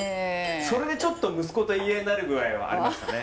それでちょっと息子と言い合いになるくらいはありましたね。